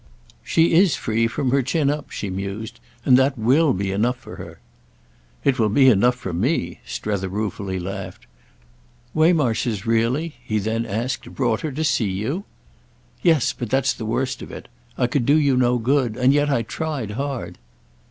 "She is free from her chin up," she mused; "and that will be enough for her." "It will be enough for me!" Strether ruefully laughed. "Waymarsh has really," he then asked, "brought her to see you?" "Yes—but that's the worst of it. I could do you no good. And yet I tried hard."